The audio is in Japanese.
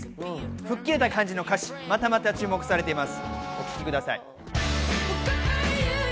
吹っ切れた感じの歌詞、またまた注目されています。